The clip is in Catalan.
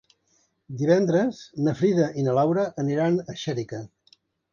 Divendres na Frida i na Laura aniran a Xèrica.